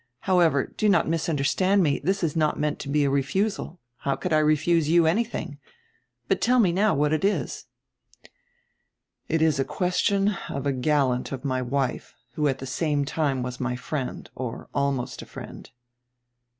How ever, do not misunderstand me; diis is not meant to be a refusal. How could I refuse you anything? But tell me now what it is." "It is a question of a gallant of my wife, who at die same time was my friend, or almost a friend."